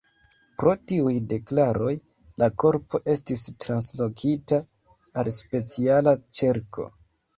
Pro tiuj deklaroj, la korpo estis translokita al speciala ĉerko.